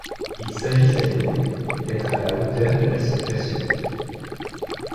Il s’agissait donc d’être à la hauteur de la situation.